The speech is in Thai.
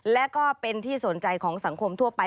และก็เป็นที่สนใจของสังคมทั่วไป